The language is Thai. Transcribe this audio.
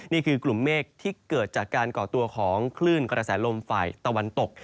นี่คือกลุ่มเมฆที่เกิดจากการก่อตัวของคลื่นกระแสลมฝ่ายตะวันตก